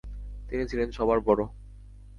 তিনি ছিলেন সবার বড়।